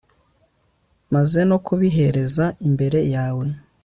maze no kurihereza imbere yawe